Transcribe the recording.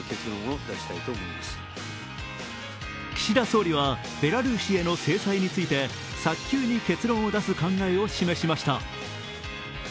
岸田総理はベラルーシへの制裁について早急に結論を出す考えを示しました。